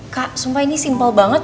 kak sumpah ini simple banget